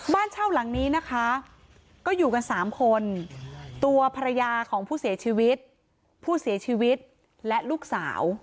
บ้านเช่าหลังนี้นะคะก็อยู่กันสามคนตัวภรรยาของผู้เสียชีวิตผู้เสียชีวิตและลูกสาว